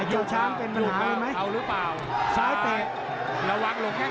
ไอ้เขาช้างเป็นประหลาดนุ้ยไหม